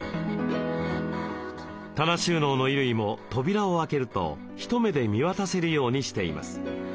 棚収納の衣類も扉を開けると一目で見渡せるようにしています。